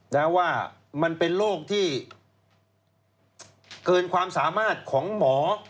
นะว่ามันเป็นโรคที่เกินความสามารถของหมอ